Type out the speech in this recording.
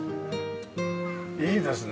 いいですね